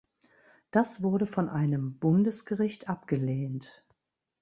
Das wurde von einem Bundesgericht abgelehnt.